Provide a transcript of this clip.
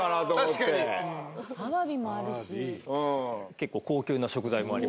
結構高級な食材もありますからね。